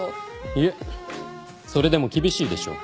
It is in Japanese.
いえそれでも厳しいでしょう。